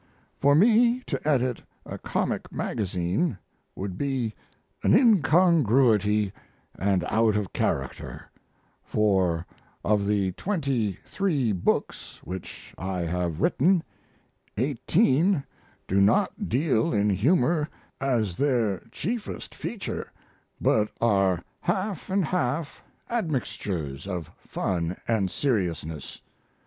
For me to edit a comic magazine would be an incongruity & out of character, for of the twenty three books which I have written eighteen do not deal in humor as their chiefs feature, but are half & half admixtures of fun & seriousness.